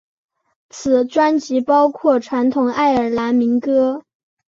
此专辑包括传统爱尔兰民歌。